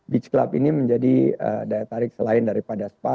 beach club ini menjadi daya tarik selain daripada spa